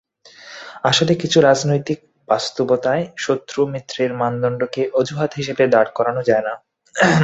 আসলে কিছু রাজনৈতিক বাস্তবতায় শত্রু-মিত্রের মানদণ্ডকে অজুহাত হিসেবে দাঁড় করানো যায় না।